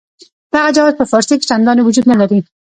دغه جواز په فارسي کې چنداني وجود نه لري.